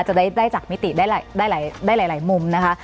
จะได้จากมิติได้หลายมุมนะคะ